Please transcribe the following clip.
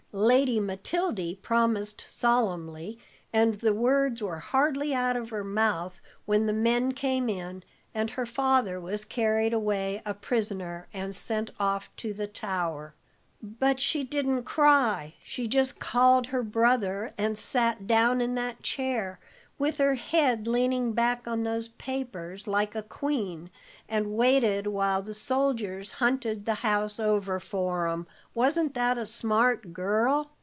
Lady Matildy promised solemnly, and the words were hardly out of her mouth when the men came in, and her father was carried away a prisoner and sent off to the Tower. "But she didn't cry; she just called her brother, and sat down in that chair, with her head leaning back on those papers, like a queen, and waited while the soldiers hunted the house over for 'em: wasn't that a smart girl?"